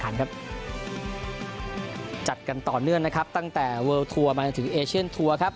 ครั้งครับจัดกันต่อเนื่องนะครับตั้งแต่มาถึงครับ